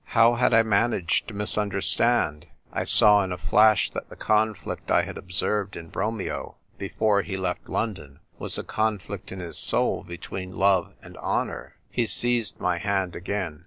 How had I managed to misunderstand ? I saw in a flash that the conflict I had observed in Romeo before he left London was a conflict in his soul between love and honour. He seized my hand again.